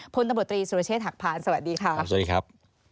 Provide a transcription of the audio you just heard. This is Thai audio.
พลตำรวจตรีสุรเชษฐกภารสวัสดีค่ะสวัสดีครับสวัสดีครับ